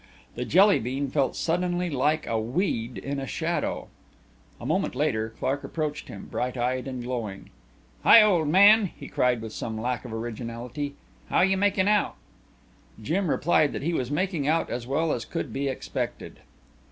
The Jelly bean felt suddenly like a weed in a shadow. A minute later Clark approached him, bright eyed and glowing. "Hi, old man," he cried with some lack of originality. "How you making out?" Jim replied that he was making out as well as could be expected.